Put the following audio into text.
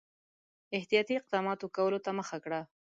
احتیاطي اقداماتو کولو ته مخه کړه.